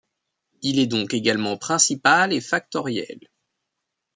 Il est donc également principal et factoriel.